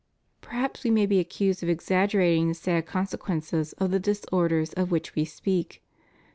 Perhaps We may be accused of exaggerating the sad consequences of the disorders of which We speak.